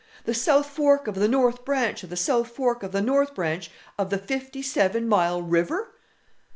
The south fork of the north branch of the south fork of the north branch of the Fifty Seven Mile River!"